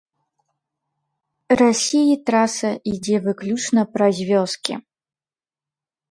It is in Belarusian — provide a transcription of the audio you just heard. Расіі траса ідзе выключна праз вёскі.